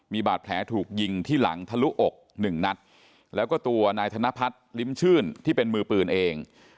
มีบาดแผลถูกยิงที่หลังทะลุอกหนึ่งนัดแล้วก็ตัวนายธนพัฒน์ลิ้มชื่นที่เป็นมือปืนเอง